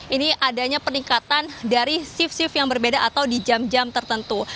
ini adanya peningkatan dari shift shift yang berbeda atau di jam jam tertentu